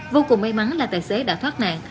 vô cùng may mắn là tài xế đã thoát nạn